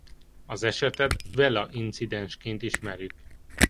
Az esetet Vela-incidensként ismerjük.